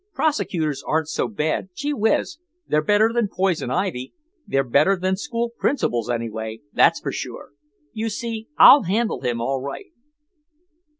Prosecutors aren't so bad, gee whiz, they're better than poison ivy; they're better than school principals anyway, that's sure. You see, I'll handle him all right."